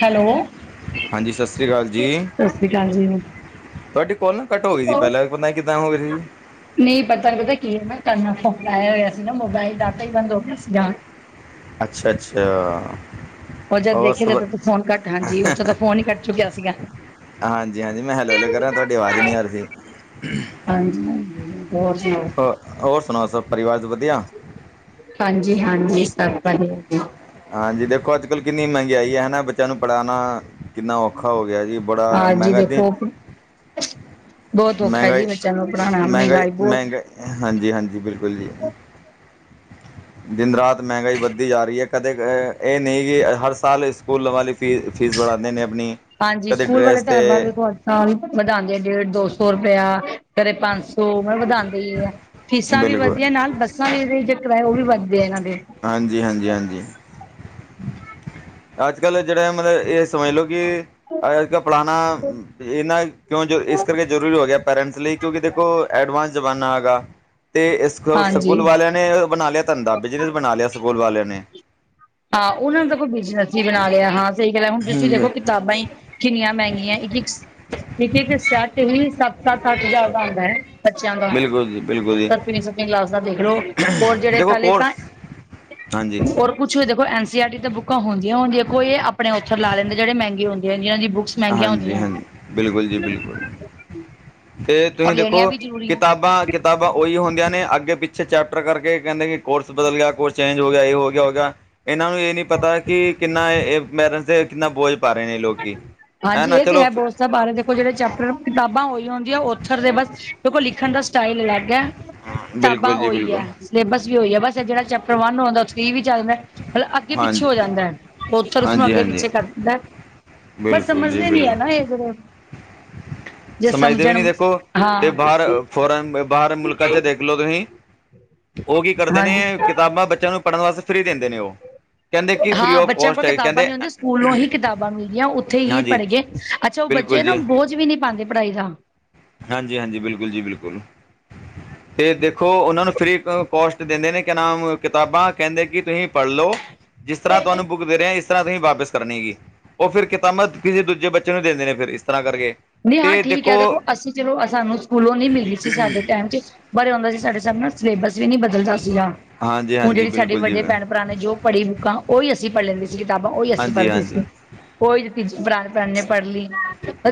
Hello ਹਾਂਜੀ ਸਤਿ ਸ਼੍ਰੀ ਅਕਾਲ ਜੀ ਸਤਿ ਸ੍ਰੀ ਅਕਾਲ ਜੀ। ਤੁਹਾਡੀ ਕੋਲ ਨਾ ਕੱਟ ਹੋ ਗਈ ਸੀ, ਪਹਿਲਾਂ ਪਤਾ ਕਿੱਦਾਂ ਹੋ ਗਈ ਸੀ। ਨਹੀਂ ਪਤਾ, ਪਤਾ ਕੀ ਕੰਨ ਨੂੰ ਫੋਨ ਲਾਇਆ ਹੋਇਆ ਸੀ ਨਾ, ਮੋਬਾਇਲ ਡਾਟਾ ਹੀ ਬੰਦ ਹੋ ਗਿਆ ਸੀਗਾ। ਅੱਛਾ, ਅੱਛਾ ਉਹ ਜਦ ਹੋਰ ਦੇਖਿਆ ਸਭ ਜਦ ਫੋਨ ਘੱਟ ਹਾਂਜੀ ਉਹ ਚੋਂ ਤਾਂ ਫੋਨ ਹੀ ਕੱਟ ਚੁੱਕਿਆ ਸੀਗਾ। ਹਾਂਜੀ, ਹਾਂਜੀ ਮੈਂ ਹੈਲੋ, ਹੈਲੋ ਕਰਾਂ ਤੁਹਾਡੀ ਆਵਾਜ਼ ਨਹੀਂ ਆ ਰਹੀ ਸੀ। ਹਾਂਜੀ, ਹਾਂਜੀ ਹੋਰ ਸੁਣਾਓ? ਹੋ ਹੋਰ ਸੁਣਾਓ ਸਬ ਪਰਿਵਾਰ 'ਚ ਵਧੀਆ ਹਾਂਜੀ ਹਾਂਜੀ ਸਭ ਵਧੀਆ ਹਾਂਜੀ ਦੇਖੋ ਅੱਜ ਕੱਲ ਕਿੰਨੀ ਮਹਿੰਗਾਈ ਹੈ ਹਨਾ ਬੱਚਿਆਂ ਨੂੰ ਪੜ੍ਹਾਣਾ ਕਿੰਨਾ ਔਖਾ ਹੋ ਗਿਆ ਜੀ ਬੜਾ ਹਾਂਜੀ ਮਹਿੰਗਾ ਦਿ ਦੇਖੋ ਬਹੁਤ ਔਖਾ ਜੀ ਮਹਿੰਗਾਈ ਬੱਚਿਆਂ ਨੂੰ ਪੜ੍ਹਾਉਣਾ ਮਹਿੰਗਾਈ ਬਹੁਤ ਮਹਿੰਗਾਈ ਹਾਂਜੀ ਹਾਂਜੀ ਬਿਲਕੁਲ ਜੀ ਦਿਨ ਰਾਤ ਮਹਿੰਗਾਈ ਵੱਧਦੀ ਜਾ ਰਹੀ ਹੈ ਕਦੇ ਇਹ ਨਹੀਂ ਕਿ ਹਰ ਸਾਲ ਸਕੂਲ ਵਾਲੀ ਫੀ ਫੀਸ ਬੜਾਂਦੇ ਨੇ ਆਪਣੀ ਹਾਂਜੀ ਕਦੇ ਸਕੂਲ ਵਾਲੇ ਡਰੈਸ 'ਤੇ ਹਰਵਾਂਗੇ ਕੋਲ ਹ ਵਧਾਂਦੇ ਆ ਡੇਢ ਦੋ ਸੌ ਰੁਪੇਆ ਘਰੇ ਪੰਜ ਸੌ ਮੈਂ ਵਧਾਂਦੇ ਆ ਫੀਸਾਂ ਵੀ ਬਿਲਕੁਲ ਵਧੀਆ ਨਾਲ ਬੱਸਾਂ ਕਿਰਾਏ ਉਹ ਵੀ ਵੱਧਦੇ ਆ ਇਹਨਾਂ ਦੇ ਹਾਂਜੀ ਹਾਂਜੀ ਹਾਂਜੀ ਅੱਜ ਕੱਲ੍ਹ ਜੇੜਾ ਮਤਲਬ ਇਹ ਸਮਝ ਲਓ ਕਿ ਅਜ ਕੱਲ ਪੁਲਾਣਾ ਇਹਨਾਂ ਕਿਉਂ ਇਸ ਕਰਕੇ ਜ਼ਰੂਰੀ ਹੋ ਗਿਆ ਪੇਰੈਂਟਸ ਲਈ ਕਿਉਂਕਿ ਦੇਖੋ ਐਡਵਾਂਸ ਜ਼ਮਾਨਾ ਹੈਗਾ ਤੇ ਇਸ ਹਾਂਜੀ ਸਕੂਲ ਵਾਲਿਆਂ ਨੇ ਬਣਾ ਲਿਆ ਧੰਦਾ ਬਿਜਨਸ ਬਣਾ ਲਿਆ ਸਕੂਲ ਵਾਲਿਆਂ ਨੇ ਹਾਂ ਉਹਨਾਂ ਨੂੰ ਦਾ ਕੋਈ ਬਿਜ ਨ ਸੀ ਬਣਾ ਲਿਆ ਹਾਂ ਸਹੀ ਗੱਲ ਹੈ ਹੁਣ ਤੁਸੀਂ ਦੇਖੋ ਹ ਕਿਤਾਬਾਂ ਹੀ ਕਿੰਨੀਆਂ ਮਹਿੰਗੀਆਂ ਇਹ ਠੀਕ ਹੈਏ ਕਿ ਸੈਟ ਹੀ ਸੱਤ ਸੱਤ ਅੱਠ ਹਜਾਰ ਦਾ ਆਂਦਾ ਹੁੰਦਾ ਹੈ ਬੱਚਿਆਂ ਦਾ ਬਿਲਕੁਲ ਜੀ ਬਿਲਕੁਲ ਜੀ ਤਾਂ ਤਨੀ ਸੱਚ ਲਾਲਸਾ ਦੇਖ ਲਓ ਹੋਰ ਜਿਹੜੇ ਦੇਖੋ ਪਹਿਲੇ ਤਾਂ ਕੋਰਸ ਹਾਂਜੀ ਔਰ ਕੁਛ ਦੇਖੋ ਐਨ ਸੀ ਆਰਟੀ ਬੁਕਾਂ ਹੁੰਆਂ ਦੀਆਂਈ ਆਪਣੇ ਉੱਥ ਲੈਂਦੇ ਜਿਹੜੇ ਮੈਂਗੇ ਹੁੰਦੀ ਆਹੈ ਜਿਨਾਂ ਦੀ ਬੁਕਸ ਮੈਂਗੀਆਂ ਹਾਂਜੀ ਹੁੰਦੀਆਂ ਹਾਂਜੀ ਬਿਲਕੁਲ ਜੀ ਬਿਲਕੁਲ ਤੇ ਔਰ ਤੁਸੀਂ ਲੈਣੀਆਂ ਦੇਖੋ ਵੀ ਜ਼ਰੂਰੀ ਹੈ। ਕਿਤਾਬਾਂ ਕਿਤਾਬਾਂ ਉਹੀ ਹੁੰਦੀਆਂ ਨੇ ਅੱਗੇ ਪਿੱਛੇ ਚੈਪਟਰ ਕਰਕੇ ਕੈਂਦੇ ਕਿ ਕੋਰਸ ਬਦਲ ਗਿਆ ਕੋਰਸ ਚੇਂਜ ਹੋ ਗਿਆ ਇਹ ਹੋ ਗਿਆ ਹੋਗਾ ਇਹਨਾਂ ਨੂੰ ਇਹ ਨਹੀਂ ਪਤਾ ਕਿ ਕਿੰਨਾ ਇਹ ਮੈਰ ਕਿੰਨਾ ਬੋਝ ਪਾ ਰਹੇ ਨੇ ਲੋਕ ਹਾਂਜੀ ਇਹ ਤੇ ਹੈ ਬੋਤ ਬਾਰੇ ਦੇਖੋ ਜਿਹੜ ਚੈਪਟਰ ਕਿਤਾਬਾਂ ਹੋਈ ਹੁੰਦੀ ਓਥਰ ਦੇ ਬਸ ਦੇੋ ਲਿਖਣ ਦਾ ਸਟਾਈਲ ਅਲੱਗ ਹੈ ਕਿਤਾਬਾਂ ਬਿਲਕੁਲ ਜੀ ਉਈ ਹੈ ਬਿਲਕੁਲ ਸਿਲੇਬਸ ਵੀ ਉਈ ਹੈ ਬਸ ਜਿਹੜਾ ਚੈਪਟਰ ਵਨ ਆਉਂਦਾ ਉਹ ਥਰੀ ਵੀ ਚੱਲਦਾ ਮਤਲਬ ਅੱਗੇ ਪਿੱਛੇ ਹਾਂਜੀ ਹੋ ਜਾਂਦਾ ਹੈ ਓਥਰ ਉਸਨੂੰ ਹਾਂਜੀ ਅੱਗੇ ਹਾਂਜੀ ਪਿੱਛੇ ਕਰ ਦਿੰਦਾ ਬਸ ਬਿਲਕੁਲ ਜੀ ਸਮਝਦੇ ਨੀ ਆ ਬਿਲਕੁਲ ਨਾ ਇਹ ਜੇੜੇ ਸਮਝਦੇ ਵੀ ਨਹੀਂ ਦੇਖੋ ਤੇ ਬਾਹਰ ਫੋਰਨ ਬਾਹਰ ਮੁਲਕਾਂ ਚ ਦੇਖ ਲਓ ਤੁਸੀਂ ਉਹ ਕੀ ਕਰਦੇ ਨੇ ਹਾਂਜੀ ਕਿਤਾਬਾਂ ਬੱਚਿਆਂ ਨੂੰ ਪੜ੍ਹਨ ਵਾਸਤੇ ਫਰੀ ਦਿੰਦੇ ਨੇ ਉਹ ਕਹਿੰਦੇ ਕਿ ਫ੍ਰਰੀ ਹਾਂ ਆਫ ਬੱਚਿਆਂ ਕੋਲ ਕੋਸਟ ਹੈ ਕਿਤਾਬਾਂ ਕਹਿੰਦੇ ਨੀ ਹੁੰਦੀਆਂਛ ਸਕੂਲੋ ਹੀ ਕਿਤਾਬਾਂ ਮਿਲਦੀਆਂ ਉੱਥੇ ਹੀ ਹਾਂਜੀ ਪੜ੍ਹ ਗ ਅੱਛਾ ਉਹ ਬਿਲਕੁਲ ਬੱਚੇ ਨਾ ਜੀ ਬੋਝ ਵੀ ਨਹੀਂ ਪਾਂਦੇ ਪੜ੍ਹਾਈ ਦਾ ਹਾਂਜੀ ਹਾਂਜੀ ਬਿਲਕੁਲ ਜੀ ਬਿਲਕੁਲ ਤੇ ਦੇਖੋ ਉਹਨਾਂ ਨੂੰ ਫਰੀ ਕੋਸਟ ਦਿੰਦੇ ਨੇ ਕੇ ਨਾਮ ਕਿਤਾਬਾਂ ਕਹਿੰਦੇ ਕਿ ਤੁਸੀਂ ਪੜ੍ਹ ਲੋ। ਜਿਸ ਤਰ੍ਹਾਂ ਤੁਹਾਨੂੰ ਬ ਦੇ ਰਹੇ ਆ ਇਸ ਤਰ੍ਹਾਂ ਤੁਸੀਂ ਵਾਪਿਸ ਕਰਨੀ ਹੈਗੀ ਉਹ ਫਿਰ ਕਿਤਾਬਾਂ ਕਿਸੇ ਦੂਜੇ ਬੱਚੇ ਨੂੰ ਦਿੰਦੇ ਨੇ ਫਿਰ ਇਸ ਤਰ੍ਹਾਂ ਕਰਕੇ। ਨੀ ਹਾਂ ਠੀਕ ਹੈ ਦੇਖੋ ਅਸੀਂ ਚਲੋ ਸਾਨੂੰ ਸਕੂਲੋਂ ਨਹੀਂ ਮਿਲੀ ਸੀ ਸਾਡੇ ਟਾਈਮ ਚ। ਵਰੇ ਹੁੰਦਾ ਸੀ ਸਾਡੇ ਸਾਹਬ ਨਾਲ ਸਿਲੇਬਸ ਵੀ ਨੀ ਬਦਲਦਾ ਸੀਆ। ਹਾਂਜੀ ਹੁਣ ਹਾਂਜੀ ਜਿਹੜੀ ਸਾਡੇ ਬਿਲਕੁਲ ਜੀ ਵਡੇ ਭੈਣ-ਭਰਾ ਨੇ ਜੋ ਪੜੀ ਬੁੱਕਾ ਉਹਹੀ ਅਸੀਂ ਪੜ੍ਹ ਲੈਂਦੀ ਸੀ ਕਿਤਾਬਾਂ ਉਹੀ ਅਸੀਂ ਹਾਂਜੀ ਪੜ੍ਹਦੇ ਹਾਂਜੀ ਸੀ। ਉਹੀ [unintelligible] ਭਰਾਨ ਭੈਣ ਨੇ ਪੜ੍ਹ ਲੀ।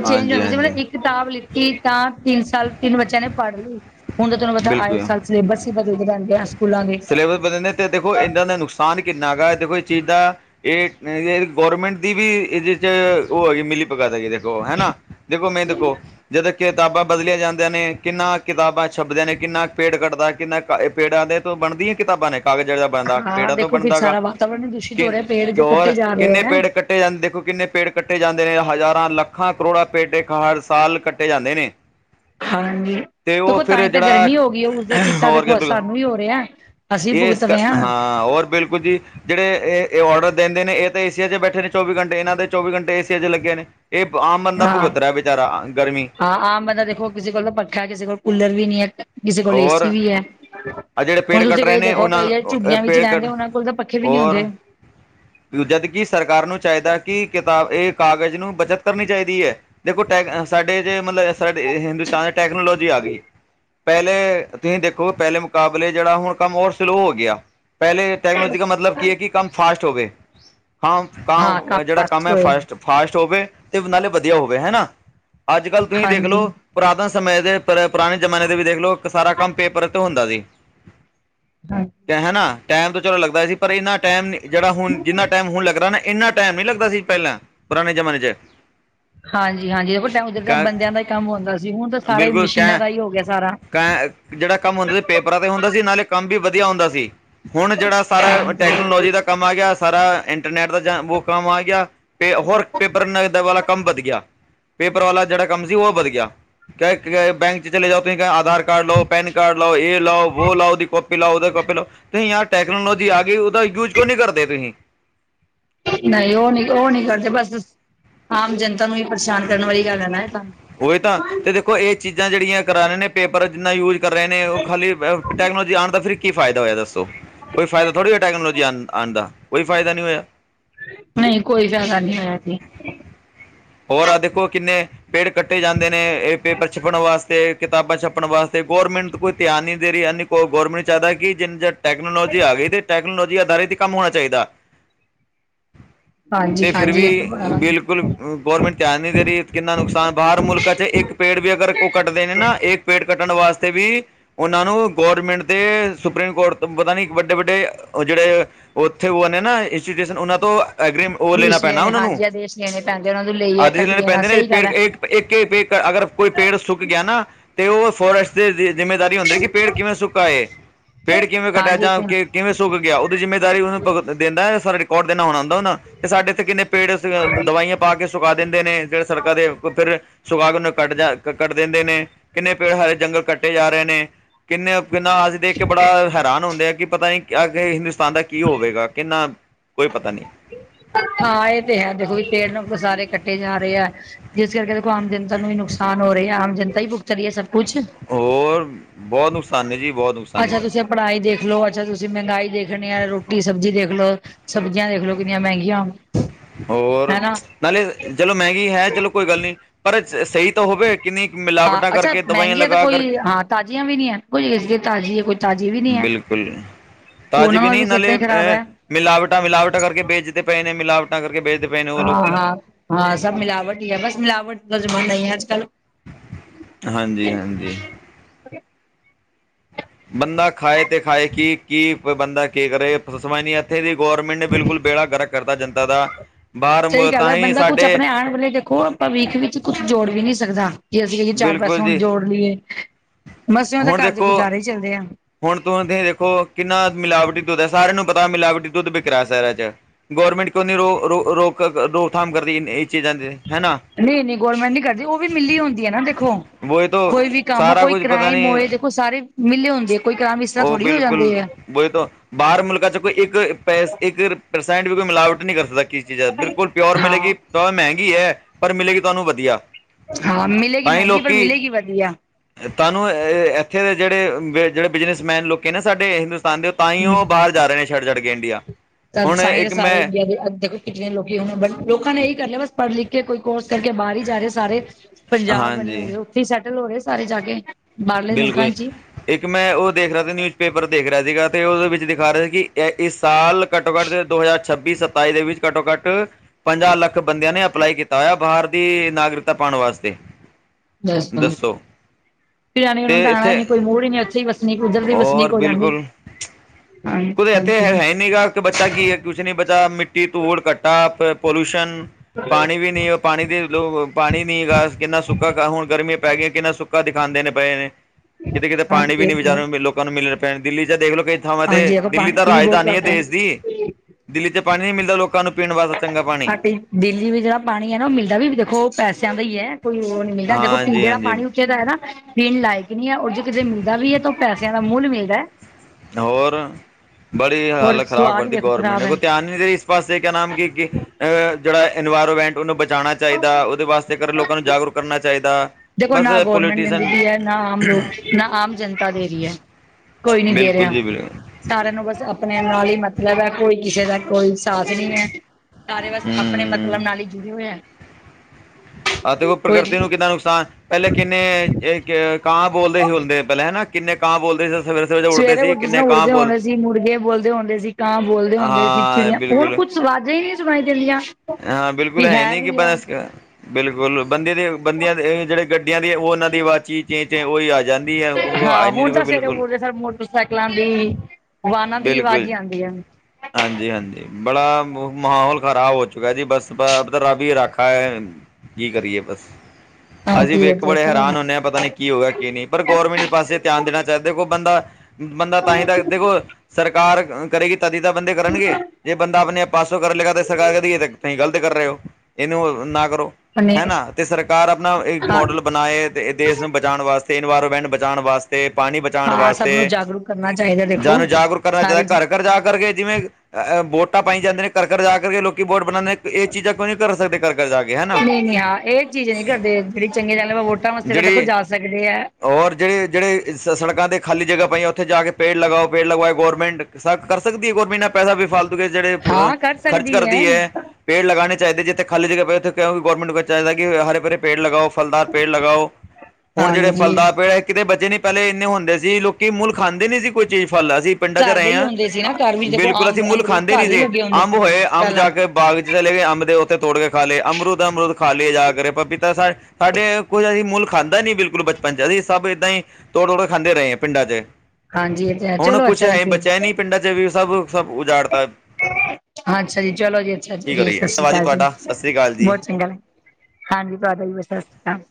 ਹਾਂਜੀ ਹਾਂਜੀ ਕਿਤਾਬ ਲਿਤੀ ਤਾਂ ਤਿੰਨ ਸਾਲ ਤਿੰਨ ਬੱਚਿਆਂ ਨੇ ਪੜ੍ਹ ਲੀ ਹੁਣ ਤਾ ਤਾਨੂੰ ਪਤਾ ਆਏ ਬਿਲਕੁਲ ਸਾਲ ਸਿਲੇਬਸ ਹੀ ਬਦਲ ਦੇ ਰਹਿੰਦੇ ਆ। ਸਕੂਲਾਂ ਦੇ ਸਿਲੇਬਸ ਬਦਲਦੇ ਤੇ ਦੇਖੋ ਇਹਨਾਂ ਦਾ ਨੁਕਸਾਨ ਕਿੰਨਾ ਗਾ ਦੇਖੋ ਇਹ ਚੀਜ਼ ਦਾ। ਇਹ ਗੌਰਮੈਂਟ ਦੀ ਵੀ ਇਹਦੇ ਚ ਉਹ ਹੈਗੀ ਮਿਲੀ ਭਗਤ ਹੈਗੀ। ਹਨਾ ਦੇਖੋ ਮੈਂ ਦੇਖੋ ਜਦੋਂ ਕਿਤਾਬਾ ਬਦਲੀਆ ਜਾਂਦੀਆ ਨੇ ਕਿੰਨਾ ਕਿਤਾਬਾ ਛਪਦੀਆ ਨੇ ਕਿੰਨਾ ਕੁ ਪੇੜ ਕੱਢਦਾ ਕਿੰਨਾ ਕ ਪੇੜਾਂ ਦੇ ਬਣਦੀਆਂ ਕਿਤਾਬਾਂ ਨੇ ਕਾਜ਼ਾ ਬਣਦਾ ਹਾਂ ਪੇੜਾਂ ਤੋਂ ਦੇਖੋ ਫਿਰ ਬਣਦਾ ਗਾ ਸਾਰਾ ਵਾਤਾਵਰਨ ਦੂਸ਼ਿਤ ਹੋ ਕਿਨ ਰਿਹਾ ਪੇੜ ਜੇ ਤਹੋਰ ਕੱਟੇ ਜਾ ਰਹੇ ਕਿੰਨੇ ਹੈ ਪੇੜ ਕੱਟ ਕੱਟੇ ਜਾਂਦੇ ਦੇਖੋ ਕਿੰਨੇ ਪੇੜ ਕੱਟੇ ਜਾਂਦੇ ਨੇ ਹਜ਼ਾਰਾਂ, ਲੱਖਾਂ, ਕਰੋੜਾਂ ਪੇੜ ਹਰ ਸਾਲ ਕੱਟੇ ਜਾਂਦੇ ਨੇ। ਹ ਹਾਂਜੀ ਦੇਖੋ ਤਾਂ ਹੀ ਤਾਂ ਗਰਮੀ ਹੋ ਗਈ ਹੈ ਉਸਦਾ ਸੀਟਾ ਹੋਰ ਦੇਖੋ ਕ ਸਾਨੂੰ ਹੀ ਹੋ ਰਿਹਾ। ਅਸੀਂ ਭੁਗਤ ਇਸ ਕਰ ਰਹੇ ਹਾਂ ਹੋਰ ਬਿਲਕੁਲ ਜੀ। ਜਿਹੜੇ ਇਹ ਔਡਰ ਦਿੰਦੇ ਨੇ ਇਹ ਤੇ ਏਸੀਆ ਚ ਬੈਠੇ ਨੇ ਚੌਵੀ ਘੰਟੇ ਇਹਨਾਂ ਦੇ ਚੌਵੀ ਘੰਟੇ ਏਸੀਆ ਚ ਲੱਗੇ ਨੇ। ਇਹ ਆਮ ਬੰਦਾ ਹਾਂ। ਭੁਗਤ ਰਿਹਾ ਵਿਚਾਰਾ ਗਰਮੀ। ਹਾਂ ਆਮ ਬਦਾ ਦੇਖੋ ਕਿਸੇ ਕੋਲ ਪੱਖਾ, ਕਿਸੇ ਕੋਲ ਕੂਲਰ ਵੀ ਨੀ ਹੈ, ਕਿਸੇ ਕੋਲ ਏਸੀ ਔਰ ਵੀ ਹੈ। ਆ ਜਿਹੜੇ ਪੇੜ ਹੁਣ ਕੱਟ ਤੁਸੀਂ ਰਹੇ ਕਈ ਨੇ ਦੇਖੋ ਉਹਨਾਂ ਕਈਆਂ ਨੂੰ ਝੁੱਗੀਆਂ ਵਿੱਚ ਪੇੜ ਕੱਟ ਰਹਿੰਦੇ ਉਹਨਾਂ ਕੋਲ ਤਾਂ ਪੱਖੇ ਵੀ ਨੀ ਔਰ ਹੁੰਦੇ। ਜਦਕਿ ਸਰਕਾਰ ਨੂੰ ਚਾਹੀਦਾ ਕਿ ਕਿਤਾਬ ਇਹ ਕਾਗਜ਼ ਨੂੰ ਬੱਚਤ ਕਰਨੀ ਚਾਹੀਦੀ ਹੈ। ਦੇਖੋ ਟੈਕ ਸਾਡੇ ਜ ਮਤਲਬ ਸਾਡੇ ਹਿੰਦੁਸਤਾਨ ਟੈਕਨੋਲੋਜੀ ਆ ਗਈ। ਪਹਿਲੇ ਤੁਸੀਂ ਦੇਖੋ ਪਹਿਲੇ ਮੁਕਾਬਲੇ ਜਿਹੜਾ ਹੁਣ ਕੰਮ ਹੋਰ ਸਲੋ ਹੋ ਗਿਆ ਪਹਿਲੇ ਟੈਕਨੋਲੋਜੀ ਦਾ ਮਤਲਬ ਕੀ ਹੈ ਕਿ ਕੰਮ ਫਾਸਟ ਹੋਵੇ ਹਾਂ ਕਾਵ-ਕਾਵ ਜਿਹੜਾ ਕੰਮ ਬਸ ਹੈ ਹੋਏ ਫਾਸਟ ਫਾਸਟ ਹੋਵੇ ਤੇ ਨਾਲੇ ਵਧੀਆ ਹੋਵੇ ਹੈਨਾ ਅੱਜ ਕੱਲ੍ਹ ਤੁਸੀਂ ਦੇਖ ਹਾਂਜੀ ਲਓ ਪੁਰਾਤਨ ਸਮੇਂ ਦੇ ਪਰ ਪੁਰਾਣੇ ਜਮਾਨੇ ਦੇ ਵੀ ਦੇਖ ਲੋ ਸਾਰਾ ਕੰਮ ਪੇਪਰ ਤੋਂ ਹੁੰਦਾ ਸੀ। ਹਾਂ। ਤੇ ਹੈਨਾ ਟੈਮ ਤੇ ਚਲੋ ਲੱਗਦਾ ਸੀ ਪਰ ਇਹਨਾ ਟੈਮ ਜਿਹੜਾ ਹੁਣ ਜਿੰਨਾ ਟੈਮ ਹੁਣ ਲੱਗਦਾ ਨਾ ਇੰਨਾ ਟੈਮ ਨੀ ਲੱਗਦਾ ਸੀ ਪਹਿਲਾਂ ਪੁਰਾਣੇ ਜ਼ਮਾਨੇ ਚ। ਹਾਂਜੀ-ਹਾਂਜੀ ਦੇਖੋ [unintelligible] ਤਾਂ ਬੰਦਿਆਂ ਦਾ ਹੀ ਕੰਮ ਆਉਂਦਾ ਸੀ ਹੁਣ ਤਾਂ ਸਾਰੇ ਮਸ਼ੀਨਾਂ ਦਾ ਹੀ ਹੋ ਗਿਆ ਸਾਰਾ। ਕ ਜਿਹੜਾ ਕੰਮ ਹੁੰਦਾ ਸੀ ਪੇਪਰਾਂ ਤੇ ਹੁੰਦਾ ਸੀ ਨਾਲੇ ਕੰਮ ਵੀ ਵਧੀਆ ਹੁੰਦਾ ਸੀ। ਹੁਣ ਜਿਹੜਾ ਸਾਰਾ ਟੈਕਨੋਲੋਜੀ ਦਾ ਕੰਮ ਆ ਗਿਆ ਸਾਰਾ ਇੰਟਰਨੈਟ ਦਾ ਉਹ ਕੰਮ ਆ ਗਿਆ। ਪੇ ਹੋਰ ਪੇਪਰ ਵਾਲਾ ਕੰਮ ਵੱਧ ਗਿਆ ਪੇਪਰ ਵਾਲਾ ਜਿਹੜਾ ਕੰਮ ਸੀ ਉਹ ਵੱਧ ਗਿਆ। ਕ ਬੈਂਕ ਚਲੇ ਜਾਓ ਤੁ ਕ ਆਧਾਰ ਕਾਰਡ ਲਓ, ਪੈਨ ਕਾਰਡ ਲਓ ਇਹ ਲਾਓ ਵੋ ਲਾਓ ਉਹਦੀ ਕਾਪੀ ਲਾਓ ਉਹਦੇ ਕਾਪੀ ਲਾਓ ਤੂਹੀ ਯਾਰ ਟੈਕਨੋਲਜੀ ਆਈ ਉਹਦਾ ਯੂਜ ਕਿਉ ਨੀ ਕਰਦੇ ਤੂਹੀ। ਨਈ ਉਹ ਨੀ ਕਰਦੇ ਬਸ ਆਮ ਜਨ ਤਾ ਨੂੰ ਵੀ ਪਰੇਸ਼ਾਨ ਕਰਨ ਵਾਲੀ ਗੱਲ ਹੈ ਨਾ ਇਹ ਤਾਂ। ਉਹੀ ਤਾਂ ਤੇ ਦੇਖੋ ਇਹ ਚੀਜ਼ਾ ਜਿਹੜੀਆ ਕਰਾ ਰਹੇ ਨੇ ਪੇਪਰ ਜਿੰਨਾ ਯੂਜ ਕਰ ਰਹੇ ਨੇ ਉਹ ਖਾਲੀ ਟੈਕਨੋਲੋਜੀ ਆਉਣ ਤਾ ਫਿਰ ਕੀ ਫਾਇਦਾ ਹੋਇਆ ਦੱਸੋ ਕੋਈ ਫਾਇਦਾ ਥੋੜ੍ਹਾ ਜਹਾ ਟੈਕਨੋਲੋਜੀ ਆ ਆਣ ਦਾ ਕੋਈ ਫਾਇਦਾ ਨੀ ਹੋਇਆ। ਨਈ ਕੋਈ ਜ਼ਿਆਦਾ ਨੀ ਹੋਇਆ ਜੀ। ਹੋਰ ਆ ਦੇਖੋ ਕਿੰਨੇ ਪੇੜ ਕੱਟੇ ਜਾਂਦੇ ਨੇ ਇਹ ਪੇਪਰ ਛੱਪਣ ਵਾਸਤੇ ਕਿਤਾਬਾਂ ਛੱਪਣ ਵਾਸਤੇ ਗੌਰਮੈਂਟ ਕੋਈ ਧਿਆਨ ਨਈ ਦੇ ਰਈ ਐਨੀ ਓ ਗਵਰਮੈਂਟ 'ਚਾਹਾਦਾ ਕਿ ਜਿੰਨ ਜਟ ਟੈਕਨੋਲੋਜੀ ਆ ਗਈ ਤੇ ਟੈਕਨੋਲੋਜੀ ਆਧਾਰ ਤੇ ਕੰਮ ਹੋਣਾ ਚਾਹੀਦਾ। ਤੇ ਹਾਂਜੀ ਫਿਰ ਵੀ ਹਾਂਜੀ ਬਿਲਕੁਲ ਗੌਰਮੈਂਟ ਧਿਆਨ ਨਈ ਦੇ ਰਈ ਕਿੰਨਾ ਨੁਕਸਾਨ ਬਾਰ ਮੁਲਕਾਂ 'ਚ ਇੱਕ ਪੇੜ ਵੀ ਅਗਰ ਓ ਕੱਟਦੇ ਨੇ ਨਾ ਇੱਕ ਪੇੜ ਕੱਟਣ ਵਾਸਤੇ ਵੀ ਉਹਨਾਂ ਨੂੰ ਗੌਰਮੈਂਟ ਤੇ ਸੁਪਰੀਮ ਕੋਰਟ ਪਤਾ ਨੀ ਇੱਕ ਵੱਡੇ-ਵੱਡੇ ਓ ਜੇੜੇ ਉੱਥੇ ਓ ਨੇ ਨਾ ਇੰਸਟਿਊਸ਼ਨ ਉਹਨਾਂ ਤੋਂ ਐਗਰੀ ਓ ਲੈਣਾ ਪੈਣਾ ਉਹਨਾਂ ਨੂੰ ਦੇਸ਼ ਲੈਣੇ ਪੈਂਦੇ ਉਹਨਾਂ ਦੇ ਲਈ ਆਦਿ ਲੈਣੇ ਪੈਂਦੇ ਨੇ ਪੇੜ ਇੱਕ ਅਗਰ ਕੋਈ ਪੇੜ ਸੁੱਕ ਗਿਆ ਨਾ ਤੇ ਓ ਫੋਰੈਸਟ ਜਿੰਮੇਦਾਰੀ ਹੁੰਦੀ ਕਿ ਪੇੜ ਕਿਵੇਂ ਸੁੱਕਾ ਹੈ ਪੇੜ ਕਿਵੇਂ ਕਟਾ ਹਾਂਜੀ ਜਾਂ ਤੇ ਕੇ ਕਿਵੇਂ ਸੁੱਕ ਗਿਆ ਉਹਦੀ ਜ਼ਿੰਮੇਦਾਰੀ ਉਹਨੂੰ ਭਗ ਦਿੰਦਾ ਜਾਂ ਸਾਰਾ ਰਿਕਾਰਡ ਦੇਣਾ ਹੋਣਾ। ਨਾ-ਨਾ ਤੇ ਸਾਡੇ ਇੱਥੇ ਕਿੰਨੇ ਪੇੜ ਦਵਾਈਆਂ ਪਾ ਕੇ ਸੁਕਾ ਦਿੰਦੇ ਨੇ ਜੇੜੇ ਸੜਕਾਂ ਦੇ ਫਿਰ ਸੁਹਾਗ ਉਹਨੂੰ ਕੱਟ ਜਾ ਕੱਟ ਦਿੰਦੇ ਨੇ ਕਿੰਨੇ ਪੇੜ ਹਾਰੇ ਜੰਗਲ ਕੱਟ ਕੱਟੇ ਜਾ ਰਏ ਨੇ ਕਿੰਨੇ ਕਿੰਨਾ ਅੱਜਂ ਦੇਖ ਕੇ ਬੜਾ ਹੈਰਾਨ ਹੁੰਨੇ ਆ ਕਿ ਪਤਾ ਨਈ ਅਗੇ ਹਿੰਦੁਸਤਾਨ ਦਾ ਕੀ ਹੋਵੇਗਾ ਕਿੰਨਾ ਕੋਈ ਪਤਾ ਨਈ ਹਾਂ ਇਹ ਤੇ ਹੈ ਦੇਖੋ ਵੀ ਤੇਲ ਨੂੰ ਸਾਰੇ ਕੱਟੇ ਜਾ ਰਏ ਆ ਜਿਸ ਕਰਕੇ ਦੇਖੋ ਆਮ ਜਨਤਾ ਨੂੰ ਵੀ ਨੁਕਸਾਨ ਹੋ ਰਿਆ ਹੈ ਆਮ ਜਨਤਾ ਵੀ ਪੁੁਗਤ ਰਈ ਏ ਸਭ ਕੁਛ ਹੋਰ ਬਹੁਤ ਨੁਕਸਾਨ ਨੇ ਜੀ ਬਹੁਤ ਨੁਕਸਾਨ ਅੱਛਾ ਇਹਦਾ ਤੁਸੀਂ ਪੜ੍ਹਾਈ ਦੇਖਲੋ ਅੱਛਾ ਤੁਸੀਂ ਤੁਸੀਂ ਮਹਿੰਗਾਈ ਦੇਖਣੀ ਆ ਰੋਟੀ ਸਬਜ਼ੀ ਦੇਖ ਲੋੋ ਸਬਜ਼ੀਆਂ ਦੇਖ ਲਓ ਕਿੰਨੀਆਂ ਮਹਿੰਗੀਆਂ ਹੋਰ ਹਨਾ ਨਾਲੇ ਚਲੋ ਮਹਿੰਗੀ ਹੈ ਚਲੋ ਕੋਈ ਗੱਲ ਨੀ ਪਰ ਸਈ ਤਾ ਹੋਵੇ। ਕਿੰਨੀ ਹਾਂ ਮਿਲਾਵਟਾਂ ਅੱਛਾ ਕਰਕੇ ਦਵਾਈਆਂ ਮਹਿੰਗੀਆਂ ਤਾਂ ਲਗਾ ਕੋਈ ਕਰਕੇ ਹਾਂ ਤਾਜ਼ੀਆਂ ਵੀ ਨਈ ਹੈ ਕੁਝ ਇਸ ਤਾਜ਼ੀ ਹੈ ਕੋਈ ਤਾਜ਼ੀ ਵੀ ਨਈ ਹੈ। ਤਾਜੇ ਉਹਨਾਂ ਵੀ ਨਾਲ ਨਈ ਸਿਹਤਾਂ ਨਾਲੇ ਹੀ ਖ਼ਰਾਬ ਅਹ ਹੈ ਮਿਲਾਵਟਾਂ- ਮਿਲਾਵਟਾਂ ਕਰਕੇ ਵੇਚਤੇ ਪਏ ਨੇ ਮਿਲਾਵਟ ਵਟਾਂ ਕਰਕੇੇ ਬੇਚਦੇ ਪਏ ਨੇ। ਉਹ ਲੋਕੀ ਹਾਂ-ਹਾਂ-ਹਾਂ ਸਭ ਮਿਲਾਵਟ ਈ ਹੈ ਬਸ ਮਿਲਾਵਟ ਦਾ ਜ਼ਮਾਨਾ ਹੀ ਹੈ ਅੱਜ ਕੱਲ ਹਾਂਜੀ-ਹਾਂਜੀ ਬੰਦਾ ਖਾਏ ਤੇ ਖਾਏ ਕੀ-ਕੀ ਬੰਦਾ ਕੀ ਕਰੇ ਸਮਝ ਨਈ ਆ। ਇੱਥੇ ਦੀ ਗੌਰਮੈਂਟ ਨੇ ਬਿਲਕੁਲ ਬੇੜਾ ਗਰਕ ਕਰਤਾ ਜਨਤਾ ਦਾ ਬਾਰ ਮੌਲ ਤਾਂ ਹੀ ਸਾਡੇ ਏਹ ਵੇਲੇ ਦੇਖੋ ਭਵਿੱਖ ਵਿੱਚ ਕੁਛ ਜੋੜ ਵੀ ਨਈ ਸਕਦਾ। ਜੇ ਅਸੀਂ ਕਹੀਏ ਚਾਰ ਬਿਲਕੁਲ ਪੈਸੇ ਹੁਣ ਜੀ ਜੋੜ ਲਈਏ ਮਸਿਓ ਤਾਂ ਹੁਣ ਘਰ ਦੇ ਦੇਖੋ ਗੁਜ਼ਾਰੇ ਹੀ ਚੱਲਦੇ ਆ। ਹੁਣ ਤੂੰ ਦੇਖੋ ਕਿੰਨਾ ਮਿਲਾਵਟੀ ਦੁੱਧ ਹੈ ਸਾਰਿਆਂ ਨੂੰ ਪਤਾ ਮਿਲਾਵਟੀ ਦੁੱਧ ਬਿਕ ਰਿਆ ਸ਼ਹਿਰਾਂ 'ਚ ਗੌਰਮੈਂਟ ਕਿਉਂ ਨਈ ਰੋ ਰੋਕ ਰੋਕਥਾਮ ਕਰਦੀ ਏਨੀ ਨਈ-ਨਈ ਗੌਰਮੈਂਟ ਨਈ ਕਰਦੀ ਓ ਵੀ ਮਿਲੀ ਹੁੰਦੀ ਹੈ ਨਾ ਦੇਖੋ ਵਹੀ ਤੋਂ ਕੋਈ ਵੀ ਕੰਮ ਸਾਰਾ ਕੋਈ ਕੁਝ ਪਤਾ ਕ੍ਰਾਈਮ ਨਹੀਂ ਹੋਏ ਦੇਖੋ ਸਾਰੇ ਮਿੱਲੇ ਹੁੰਦੇ ਆ ਕੋਈ ਕ੍ਰਾਈਮ ਇਸ ਤਰ੍ਹਾਂ ਥੋੜੀ ਹੋ ਜਾਂਦੇ ਆ। ਵੋਈ ਤੋ ਬਾਰ ਮੁਲਕਾਂ 'ਚ ਕੋਈ ਇੱਕ ਪ ਇਕ ਪਰਸੈਂਟ ਵੀ ਕੋਈ ਮਿਲਾਵਟ ਨਈ ਕਰ ਸਕਦੀ। ਚੀਜ਼ ਬਿਲਕੁਲ ਪਿਓਰ ਮਿਲੇਗੀ ਹਾਂ ਥੋ ਮਹਿੰਗੀ ਹੈ ਪਰ ਮਿਲੇਗੀ ਤੁਹਾਨੂੰ ਵਧੀਆ ਹਾਂ ਮਿਲੇਗੀ ਤਾਂ ਹੀ ਮਹਿੰਗੀ ਪਰ ਲੋਕੀ ਮਿਲੇਗੀ ਵਧੀਆ ਤੁਹਾਨੂੰ ਇੱਥੇ ਦੇ ਜੇੜੇ-ਜੇੜੇ ਬਿਜਨਸਮੈਨ ਲੋਕੀ ਨੇ ਸਾਡੇ ਹਿੰਦੁਸਤਾਨ ਦੇ ਤਾਂ ਹੀ ਹਮ ਓ ਬਾਰ ਜਾ ਰਏ ਨੇ ਛੱਡ-ਛੱਡ ਕੇ ਇੰਡੀਆ ਤਾਂ ਹੁਣ ਸਾਇ ਇੱਕ ਸਾਰੇ ਮੈਂ ਇੰਡੀਆ ਦੇ ਦੇਖੋ ਕਿੰਨ ਲੋਕ ਹੁਣ ਲੋਕਾਂ ਨੇ ਇਹੀ ਕਰਨਾ ਬਸ ਪੜ੍ਹ ਲਿਖ ਕੋਈ ਕੋਰਸ ਕਰਕੇ ਬਾਰ ਹੀ ਜਾ ਰਏ ਸਾਰੇ ਪੰਜਾਬ ਬਣੇ ਹਾਂਜੀ ਹੋਏ ਉੱਥੇ ਹੀ ਸੈਟਲ ਹੋ ਰਏ ਸਾਰੇ ਜਾ ਕੇ ਬਾਹਰਲੇ ਮੁਲਕਾਂ ਬਿਲਕੁਲ ਚ ਹੀ ਇੱਕ ਮੈਂ ਓ ਦੇਖ ਰਿਆ ਸੀ ਨਿਊਜ਼ ਪੇਪਰ ਦੇਖ ਰਿਆ ਸੀਗਾ ਤੇ ਉਹਦੇ ਵਿੱਚ ਦਿਖਾ ਰਿਆ ਸੀ ਕਿ ਇਹ ਇਸ ਸਾਲ ਘੱਟੋ, ਘੱਟ ਦੋ ਹਜ਼ਾਰ ਛੱਬੀ ਸਤਾਈ ਦੇ ਵਿੱਚ ਘੱਟੋ, ਘੱਟ ਪੰਜਾਹ ਲੱਖ ਬੰਦਿਆਂ ਨੇ ਅਪਲਾਈ ਕੀਤਾ ਹੋਇਆ ਬਾਹਰ ਦੀ ਨਾਗਰਿਕਤਾ ਪਾਉਣ ਵਾਸਤੇ ਦੱਸ ਦੱਸੋ ਦਾਂਗੇ ਉਹ ਨੂੰ ਤੇ ਡਣਾ ਹੀ ਇੱਥੇ ਨੀ ਕੋਈ ਮੂੜ ਹੀ ਨੀ ਅੱਛੀ ਵਸਨੀਕ ਉਧਰ ਦੀ ਵਸਨੀਕ ਹੋ ਜਾਂਦੀ ਹੈ। ਕਿਉਂਕਿ ਇੱਥੇ ਹੈ ਨੀ ਗਾ ਕਿ ਬੱਚਾ ਕੀ ਹੈ। ਕੁਛ ਨਹੀਂ ਪਤਾ ਮਿੱਟੀ ਧੂੜ ਕੱਟਾ ਆਪ ਪੋਲਊਸ਼ਨ ਪਾਣੀ ਵੀ ਨਹੀਂ ਪਾਣੀ ਦੇ ਲੋ ਪਾਣੀ ਨੀ ਹੈਗਾ ਕਿੰਨਾ ਸੁੱਕਾ ਹੁਣ ਗਰਮੀਆਂ ਪੈ ਗਈਆਂ ਕਿੰਨਾ ਸੁੱਕਾ ਦਿਖਾਂਦੇ ਨੇ ਪਏ ਨੇ ਕਿਤੇ ਕਿਤੇ ਪਾਣੀ ਵੀ ਹਾਂਜੀ ਇਹ ਨੀ ਤਾਂ ਹੈ ਬਾਜ਼ਾਰਾਂ ਲੋਕਾਂ ਨੂੰ ਮਿਲਣੇ ਪੈਣ ਦਿੱਲੀ ਚ ਦੇਖਲੋ ਕਈ ਥਾਵਾਂ ਤੇ ਹਾਂਜੀ ਦੇਖੋ ਦਿੱਲੀ ਤਾਂ ਪਾਣੀ ਵੀ ਬਹੁਤ ਰਾਜਧਾਨੀ ਹੈ ਘੱਟ ਦੇਸ਼ ਦੀ ਦਿੱਲੀ ਚ ਪਾਣੀ ਨੀ ਮਿਲਦਾ ਲੋਕਾਂ ਨੂੰ ਪੀਣ ਵਾਲਾ ਆਟੇ ਦਿੱਲੀ ਵੀ ਜਿਹੜਾ ਪਾਣੀ ਹੈ ਨਾ ਉਹ ਮਿਲਦਾ ਵੀ ਦੇਖੋ ਉਹ ਪੈਸਿਆਂ ਦਾ ਹੀ ਹੈ ਕੋਈ ਹੋਰ ਮਿਲਦਾ ਦੇਖੋ ਹਾਂਜੀ [unintelligible] ਹਾਂਜੀ ਪਾਣੀ [unintelligible] ਲਾਇਕ ਨਹੀਂ ਹੈ। ਉਹ ਜੇ ਕਿਤੇ ਮਿਲਦਾ ਵੀ ਹੈ ਤਾਂ ਉਹ ਪੈਸਿਆਂ ਦਾ ਮੁੂੱਲ ਮੇਰਾ ਹੈ। ਹੋਰ ਬੜੀ ਔਰ ਹਾਲਤ ਖ਼ਰਾਬ ਸਵਾਦ ਹੀ ਕਰਦੀ ਦੇਖੋ ਗੌਰਰਮੈਂਟ ਖ਼ਰਾਬ ਨੇ ਹੈ। ਕੋਈ ਧਿਆਨ ਨੀ ਰੀਸ ਵਾਸਤੇ ਕਹਿਣਾ ਕਿ, ਕਿ ਅਹ ਜਿਹੜਾ ਇਨਵਾਇਰਮੈਂਟ ਉਹਨੂੰ ਬਚਾਣਾ ਚਾਹੀਦਾ। ਉਹਦੇ ਵਾਸਤੇ ਅਗਰ ਲੋਕਾਂ ਨੂੰ ਜਾਗਰੂਕ ਕਰਨਾ ਚਾਹੀਦਾ। ਬਸ ਉਨਾਂ ਗੌਰਮੈਂਟ ਪੋਲੀਟੀਸ਼ਨ ਦਿੱਤੀ ਹੈ ਨਾ ਆਮ ਲੋਕ ਨਾ ਆਮ ਜਨਤਾ ਦੇ ਰਹੀ ਹੈ ਕੋਈ ਨੀ ਦੇ ਬਿਲਕੁਲ ਰਿਹਾ ਜੀ ਬਿਲਕੁਲ ਹੂੰ ਸਾਰਿਆਂ ਨੂੰ ਬਸ ਆਪਣੇ ਨਾਲ ਹੀ ਮਤਲਬ ਹੈ ਕੋਈ ਕਿਸੇ ਦਾ ਕੋਈ ਸਾਥ ਨਹੀਂ ਹੈ। ਸਾਰੇ ਬਸ ਆਪਣੇ ਮਤਲਬ ਨਾਲ ਹੀ ਜੁੜੇ ਹੋਏ ਹੈ। ਆਹ ਦੇਖੋ ਕੋਈ ਪ੍ਰਕਿਰਤੀ ਨੂੰ ਕਿੰਨਾ ਨੁਕਸਾਨ ਪਹਿਲ ਕਿੰਨੇ ਕਾਂ ਬੋਲਦੇ ਹੁੰਦੇ ਪਹਿਲੇ ਹਨਾ ਕਿੰਨੇ ਕਾਂ ਬੋਲਦੇ ਸਵੇਰੇ ਸਵੇਰੇ ਉਠਦੇ ਸੀ ਕਿੰਨੇ ਕਾਂ ਬੋਲ ਅਸੀਂ ਮੁੁਰਗੇ ਬੋਲਦੇ ਹੁੰਦੇ ਸੀ। ਕਾਂ ਬੋਲਦੇ ਹੁੰਦੇ ਸੀ ਹਾਂ ਚਿੜੀਆਂ ਹੁਣ ਬਿਲਕੁਲ ਕੁਛ ਅਵਾਜ਼ਾਂ ਹੀ ਨਹੀਂ ਸੁਣਾਈ ਦਿੰਦੀਆਂ ਹਾਂ ਬਿਲਕੁਲ ਕਿ ਹੈ ਨਹੀਂ ਕਿ ਵੀ ਹੈ। ਬਸ ਬਿਲਕੁਲ ਬੰਦਿਆਂ ਦੇ ਬੰਦਿਆਂ ਦੇ ਹੈਗਾ ਜਿਹੜੇ ਗੱਡੀਆਂ ਦੀ ਉਹਨਾਂ ਦੀ ਆਵਾਜ਼ ਚੀਜ਼ ਚੀ ਚੀ ਉਹੀ ਆ ਜਾਂਦੀ ਹੈ ਆ ਉਹ ਕਹੂਗਾ ਆ ਹਾਂ ਨਹੀਂ ਹੁਣ ਤਾਂ ਸਵੇਰੇ ਬਿਲਕੁਲ ਉਠਦੇ ਸਾਰ ਮੋਟਰਸਾਈਕਲਾਂ ਦੀ ਵਾਹਨਾਂ ਦੀ ਬਿਲਕੁਲ ਆਵਾਜ਼ ਆਉਂਦੀ ਨੇ। ਹਾਂਜੀ ਹਾਂਜੀ ਬੜਾ ਮਾਹੌਲ ਖ਼ਰਾਬ ਹੋ ਚੁੱਕਾ ਜੀ ਬਸ ਰੱਬ ਹੀ ਰੱਖਾ ਹੈ। ਕੀ ਕਰੀਏ ਬਸ ਅਸੀਂ ਵੇਖ ਬੜੇ ਹੈਰਾਨ ਹੁੰਦੇ ਹਾਂ ਪਤਾ ਨੀ। ਕੀ ਹੋਗਾ ਕੀ ਨਹੀਂ ਪਰ ਗੌਰਮੈਂਟ ਇਸ ਪਾਸੇ ਧਿਆਨ ਦੇਣਾ ਚਾਹੀਦਾ ਦੇਖੋ ਬੰਦਾ ਬੰਦਾ ਤਾਂ ਹੀ ਤਾਂ ਦੇਖੋ। ਸਰਕਾਰ ਕਰੇਗੀ ਤਦੀ ਤਾਂ ਬੰਦੇ ਕਰਨਗੇ ਜੇ ਬੰਦਾ ਆਪਣੇ ਆਪ ਪਾਸੋਂ ਕਰ ਲੇਗਾ ਤਾਂ ਸਰਕਾਰ ਕਰੇਗੀ ਨਹੀਂ ਗਲਤ ਕਰ ਰਹੇ ਹੋ ਇਹਨੂੰ ਨਾ ਕਰੋ। ਹਨਾ ਹਾਂਜੀ ਤੇ ਸਰਕਾਰ ਆਪਣਾ ਇੱਕ ਹਾਂ ਮੋਡਲ ਬਣਾਏ ਤੇ ਦੇਸ਼ ਨੂੰ ਬਚਾਉਣ ਵਾਸਤੇ ਇਨਵਾਇਰਮੈਂਟ ਬਚਾਉਣ ਵਾਸਤੇ ਤੇ ਪਾਣੀ ਬਚਾਉਣ ਹਾਂ ਸਭ ਵਾਸਤੇ ਨੂੰ ਜਾਗਰੂਕ ਕਰਨਾ ਚਾਹੀਦਾ ਦੇਖੋ। ਰਾਜਾ ਸਾਰੀ ਜ ਘਰ ਘਰ ਜਾ ਕਰਕੇ ਜਿਵੇਂ। ਅ ਵੋਟਾਂ ਪਾਈ ਜਾਂਦੇ ਆਂ ਨੇ ਘਰ ਘਰ ਜਾ ਕਰਕੇ ਲੋਕੀ ਵੋਟ ਬਣਾਉਂਦੇ ਨੇ ਇਹ ਚੀਜ਼ਾਂ ਕਿਉਂ ਨਹੀਂ ਅਸੈਪਟ ਕਰ ਘਰ ਘਰ ਜਾ ਕੇ ਹੈ ਨਾ ਨਹੀਂ ਨਹੀਂ ਹਾਂ ਇਹ ਚੀਜ਼ ਇਹ ਕਰਦੇ ਜਿਹੜੀ ਚੰਗੀ ਗੱਲ ਵੋਟਾਂ ਵਾਸਤੇ ਤਾਂ ਦੇਖੋ ਜਿਹੜੀ ਜਾ ਸਕਦੇ ਹੈ। ਔਰ ਜਿਹੜੇ ਜਿਹੜੇ ਸੜਕਾਂ ਤੇ ਖਾਲੀ ਜਗ੍ਹਾ ਪਈਆਂ ਉਥੇ ਜਾ ਕੇ ਪੇੜ ਲਗਾਓ ਪੇੜ ਲਗਵਾਏ ਗੌਰ [unintelligible] ਕਰ ਸਕਦੀ ਹੈ ਗੌਰਮਿੰਟ ਨਾਲ ਪੈਸਾ ਵੀ ਫਾਲਤੂ ਜਿਹੜੇ ਹਾਂ ਕਰ ਖਰਚ ਸਕਦੀ ਕਰਦੀ ਹੈ। ਪੇੜ ਲਗਾਉ ਚਾਹੀਦੇ ਜਿੱਥੇ ਖਾਲੀ ਜਗ੍ਹਾ ਪਏ ਉਥੇ ਕਿ ਗੌਰਮੈਂਟ ਚਾਹੀਦਾ ਕਿ ਹਰੇ ਭਰੇ ਪੇੜ ਲਗਾਓ। ਫਲਦਾਰ ਪੇੜ ਲਗਾਓ ਹੁਣ ਜਿਹੜੇ ਹਾਂਜੀ ਫਲਦਾਰ ਪੇੜ ਹੈ ਕਿਤੇ ਬੱਜੇ ਨਹੀਂ ਪਹਿਲੇ ਇੰਨੇ ਹੁੰਦੇ ਸੀ ਲੋਕੀ ਮੁੱਲ ਖਾਂਦੇ ਨੀ ਸੀ ਕੋਈ ਚੀਜ਼ ਫਲ ਅਸੀਂ। ਪਿੰਡਾਂ ਚ ਘਰ ਦੇ ਰਹੇ ਹੀ ਹਾਂ ਹੁੰਦੇ ਸੀ ਨਾ ਘਰ ਵੀ ਦੇਖੋ ਬਿਲਕੁਲ ਅਸੀਂ ਅੰਬ ਮੁੱਲ ਅਮਰੂਦ ਖਾਂਦੇ ਘਰ ਨਹੀਂ ਹੀ ਸੀ ਲੱਗੇ ਹੁੰਦੇ ਅੰਬ ਸੀਗੇ ਹੋਏ ਅੰਬ ਪਹਿਲਾਂ ਜਾ ਕੇ ਬਾਗ ਚਲੇ ਗਏ ਅੰਬ ਦੇ ਉੱਥ ਤੋੜ ਕੇ ਖਾ ਲਏ ਅਮਰੂਦ ਅਮਰੂਦ ਖਾ ਲਈਏ ਜਾ ਕੇ ਪਪੀਤਾ ਸਾਈਡ ਸਾਡੇ ਕੋਈ ਅਸੀਂ ਮੁੱਲ ਖਾਧਾ ਨੀ ਬਿਲਕੁਲ ਬਚਪਨ ਚ ਅਸੀਂ ਸਭ ਏਦਾਂ ਹੀ ਤੋੜ ਤੋੜ ਖਾਂਦੇ ਰਹੇ ਹਾਂ ਪਿੰਡਾਂ ਚ ਹਾਂਜੀ ਇਹ ਤੇ ਹੈ ਹੁਣ ਚਲੋ ਕੁਛ ਅੱਛਾ ਜੀ ਹੈ ਫਿਰ ਬਚਿਆ ਨਹੀਂ ਪਿੰਡਾਂ ਚ ਵੀ ਸਭ ਸਭ ਉਜਾੜਤਾ ਅੱਛਾ ਜੀ ਚਲੋ ਜੀ ਅੱਛਾ ਕੀ ਜੀ ਕਰੀਏ ਸਤਿ ਸ਼੍ਰੀ ਧੰਨਵਾਦ ਅਕਾਲ ਜੀ ਤੁਹਾਡਾ ਸਤਿ ਸ੍ਰੀ ਅਕਾਲ ਜੀ ਬਹੁਤ ਚੰਗਾ, ਹਾਂਜੀ ਜੀ ਬਸ [inaudible]